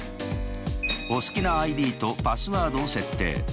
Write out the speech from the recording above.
お好きなＩＤとパスワードを設定。